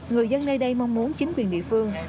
người dân nơi đây mong muốn chính quyền địa phương